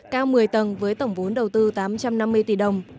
cao một mươi tầng với tổng vốn đầu tư tám trăm năm mươi tỷ đồng